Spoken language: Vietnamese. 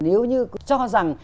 nếu như cho rằng